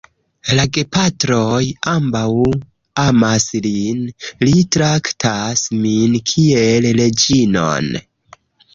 La gepatroj ambaŭ amas lin. Li traktas min kiel reĝinon.